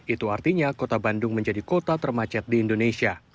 itu artinya kota bandung menjadi kota termacet di indonesia